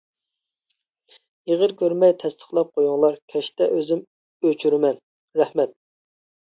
ئېغىر كۆرمەي تەستىقلاپ قويۇڭلار، كەچتە ئۆزۈم ئۆچۈرىمەن، رەھمەت!